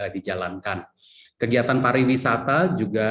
dijalankan kegiatan pariwisata juga